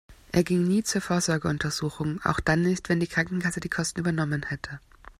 Er ging nie zur Vorsorgeuntersuchung, auch dann nicht, wenn die Krankenkasse die Kosten übernommen hätte.